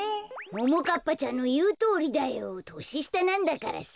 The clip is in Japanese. ももかっぱちゃんのいうとおりだよ。とししたなんだからさ。